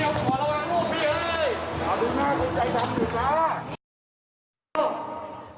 ขอขอบคุณมากค่ะ